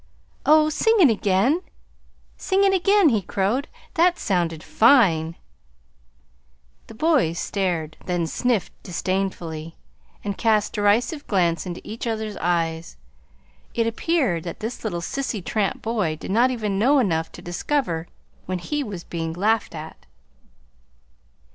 "Oh, sing it again, sing it again!" he crowed. "That sounded fine!" The boys stared, then sniffed disdainfully, and cast derisive glances into each other's eyes it appeared that this little sissy tramp boy did not even know enough to discover when he was being laughed at!